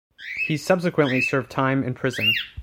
He subsequently served time in prison.